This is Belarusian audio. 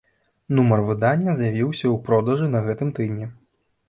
Нумар выдання з'явіўся ў продажы на гэтым тыдні.